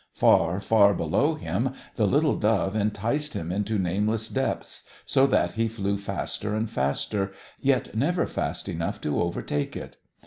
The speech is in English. Far, far below him the little dove enticed him into nameless depths, so that he flew faster and faster, yet never fast enough to overtake it.